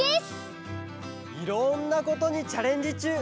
いろんなことにチャレンジちゅう！